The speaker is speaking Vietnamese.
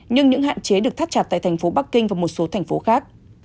nhưng những hạn chế được thắt chặt tại thành phố bắc kinh và một số thành phố khác